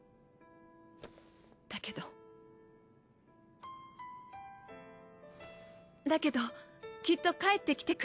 だけどだけどきっと帰ってきてくれる私は信じています。